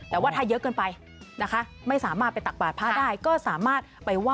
แต่ว่าถ้าเยอะเกินไปไม่สามารถไปตักบาดพระได้